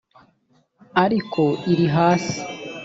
ariko iri hasi